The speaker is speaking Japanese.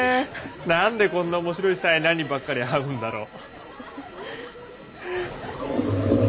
何でこんな面白い災難にばっかり遭うんだろう。